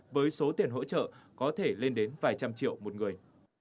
với số tiền hỗ trợ có thể lên đến vài trăm triệu một người